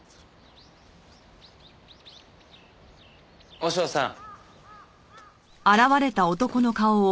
和尚さん。